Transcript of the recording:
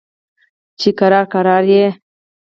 چې ورو، ورو یې